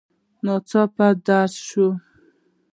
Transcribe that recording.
ناڅاپه درز شو.